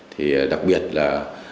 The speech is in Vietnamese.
thì đặc biệt là